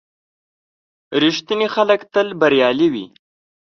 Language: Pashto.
• رښتیني خلک تل بریالي وي.